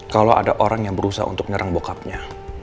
kalau ada orang yang berusaha untuk nyerang bokapnya